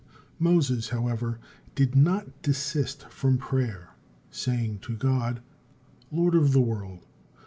Moses, however, did not desist from prayer, saying to God: "Lord of the world!